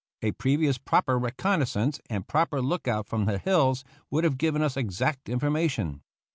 A previous proper reconnois sance and proper look out from the hills would have given us exact information.